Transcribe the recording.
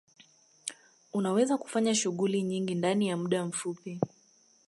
Unaweza kufanya shughuli nyingi ndani ya muda mfupi